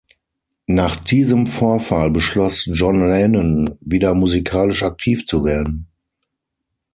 Nach diesem Vorfall beschloss John Lennon, wieder musikalisch aktiv zu werden.